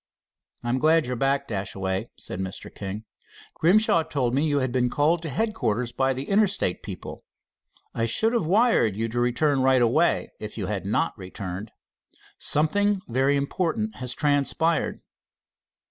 "I'm glad you're back, Dashaway," said Mr. King. "Grimshaw told me you had been called to headquarters by the Interstate people. I should have wired you to return right away if you had not returned. Something very important has transpired."